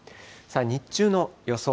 日中の予想